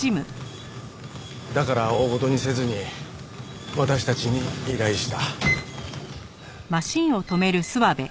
だから大ごとにせずに私たちに依頼した。